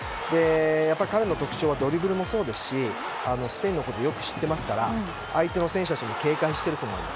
彼の特徴はドリブルもそうですしスペインのことをよく知っていますから相手の選手たちも警戒していると思います。